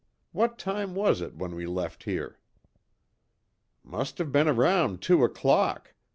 What time was it when we left here?" "Must have been around two o'clock.